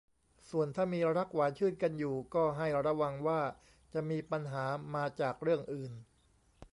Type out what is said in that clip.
ส่วนถ้ามีรักหวานชื่นกันอยู่ก็ให้ระวังว่าจะมีปัญหามาจากเรื่องอื่น